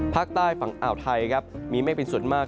ภาคใต้ฝั่งอ่าวไทยครับมีเมฆเป็นส่วนมาก